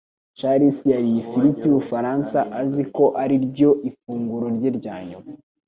Charles yariye ifiriti yubufaransa azi ko ariryo ifunguro rye rya nyuma.